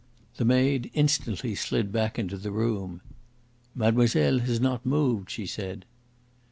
The maid instantly slid back into the room. "Mademoiselle has not moved," she said.